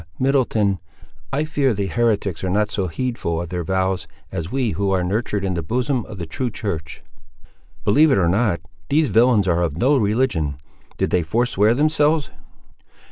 Middleton, I fear the heretics are not so heedful of their vows as we who are nurtured in the bosom of the true church!" "Believe it not; these villains are of no religion: did they forswear themselves?"